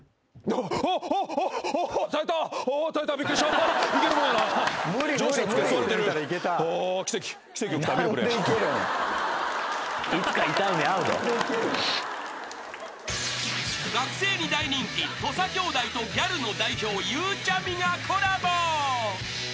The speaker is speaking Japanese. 土佐兄弟とギャルの代表ゆうちゃみがコラボ］